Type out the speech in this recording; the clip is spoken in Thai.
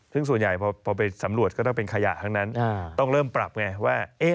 ซึ่งส่วนใหญ่พอไปสำรวจก็ต้องเป็นขยะทั้งนั้นต้องเริ่มปรับไงว่า